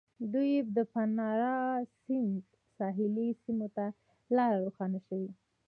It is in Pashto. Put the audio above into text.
دوی د پانارا سیند ساحلي سیمو ته په لاره روان شول.